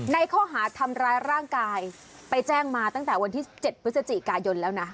ในข้อหาทำร้ายร่างกายไปแจ้งมาตั้งแต่วันที่๗พฤศจิกายนแล้วนะ